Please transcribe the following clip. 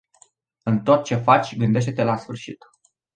În tot ce faci, gândește-te la sfârșit.